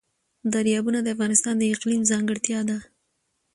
دریابونه د افغانستان د اقلیم ځانګړتیا ده.